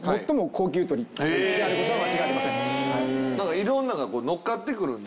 いろんなのがのっかってくるんですよね。